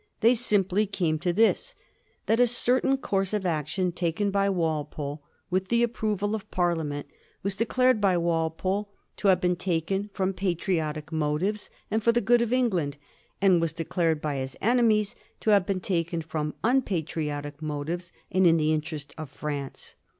They simply came to this, that a certain course of action taken by Walpole, with the approval of Parliament, was declared by Walpole to have been taken from patriotic motives and for the good of England, and was declared by his enemies to have been taken from unpatriotic motives and in the interest of France.